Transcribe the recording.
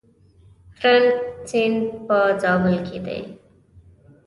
ترنک سیند په زابل کې دی؟